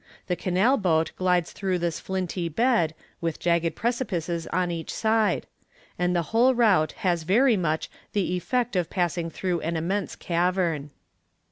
The canal boat glides through this flinty bed, with jagged precipices on each side; and the whole route has very much the effect of passing through an immense cavern.